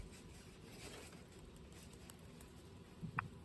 The series received high critical acclaim immediately following its inception.